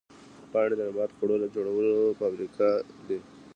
پاڼې د نبات د خوړو جوړولو فابریکې دي